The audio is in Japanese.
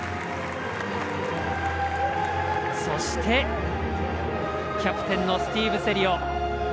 そして、キャプテンのスティーブ・セリオ。